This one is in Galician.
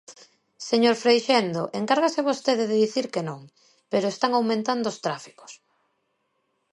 Señor Freixendo, encárgase vostede de dicir que non, pero están aumentando os tráficos.